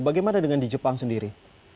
bagaimana dengan di jepang sendiri